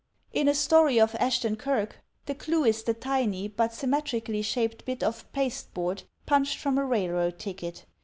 In a story of Ashton Kirk, the clue is the tiny, but sym metrically shaped bit of pasteboard punched from a railroad ticket.